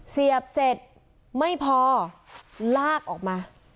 เสียบเสร็จไม่พอลากออกมา